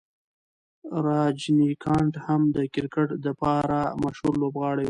راجنیکانټ هم د کرکټ د پاره مشهوره لوبغاړی و.